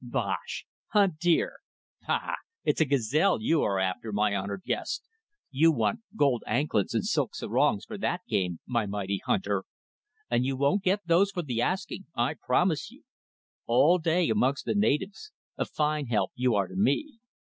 Bosh! Hunt deer! Pah! It's a ... gazelle you are after, my honoured guest. You want gold anklets and silk sarongs for that game my mighty hunter. And you won't get those for the asking, I promise you. All day amongst the natives. A fine help you are to me."